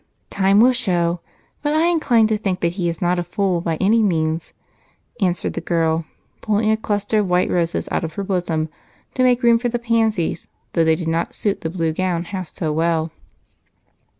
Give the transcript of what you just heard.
"Time will show, but I incline to think that he is not a fool by any means," answered the girl, pulling a cluster of white roses out of her bosom to make room for the pansies, though they did not suit the blue gown half so well.